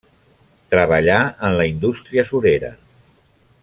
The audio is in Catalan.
Treballà en la indústria surera.